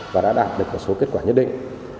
và đã đạt được một số kết quả nhất định